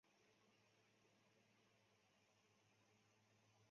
本系列游戏于一个架空世界名叫奈恩的泰姆瑞尔帝国中所发生的历史事件。